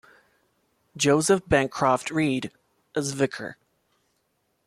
Joseph Bancroft Reade as vicar.